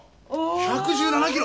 １１７キロ！